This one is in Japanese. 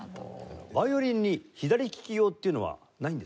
ヴァイオリンに左きき用っていうのはないんですか？